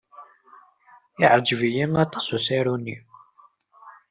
Yeɛjeb-iyi aṭas usaru-nni.